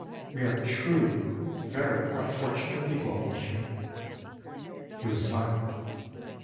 We are truly very unfortunate people, monsieur.â He was silent.